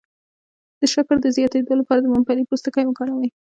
د شکر د زیاتیدو لپاره د ممپلی پوستکی وکاروئ